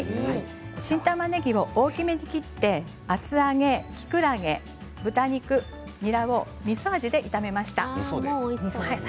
新たまねぎを大きめに切って厚揚げ、きくらげ、豚肉、にらをみそ味で炒めました。